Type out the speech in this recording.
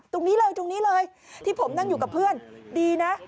ตรงนี้เลยที่ผมนั่งอยู่กับเพื่อนดีนะ